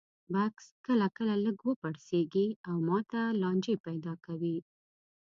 بکس کله کله لږ وپړسېږي او ماته لانجې پیدا کوي.